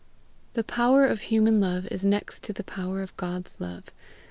The power of human love is next to the power of God's love.